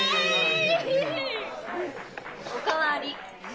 お代わり。